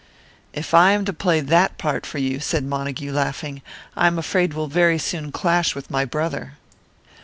"If I am to play that part for you," said Montague, laughing, "I am afraid we'll very soon clash with my brother."